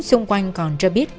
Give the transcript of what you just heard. xung quanh còn cho biết